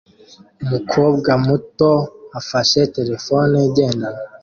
Umukobwa muto afashe terefone igendanwa